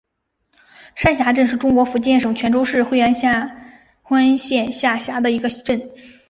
山霞镇是中国福建省泉州市惠安县下辖的一个镇。